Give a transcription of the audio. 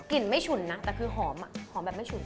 กลิ่นไม่ฉุนนะแต่คือหอมอ่ะหอมแบบไม่ฉุน